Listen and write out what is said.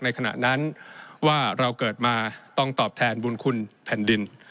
ขณะนั้นว่าเราเกิดมาต้องตอบแทนบุญคุณแผ่นดิน